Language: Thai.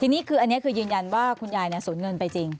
อันนี้คือยืนยันว่าคุณยายสูญเงินไปจริง